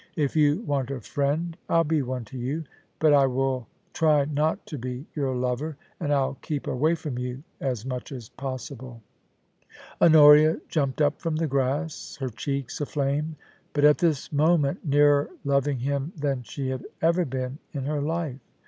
If you want a friend, Til be one to you ; but I will try not to be your lover, and I'll keep away from you as much as possible.' Honoria jumped up from the grass, her cheeks aflame ; but at this moment nearer loving him than she had ever been in her life.